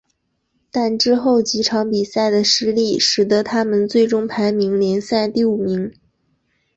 但之后几场比赛的失利使得他们最终排名联赛第五名。